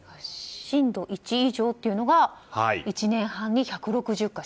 震度１以上というのが１年半に１６０回。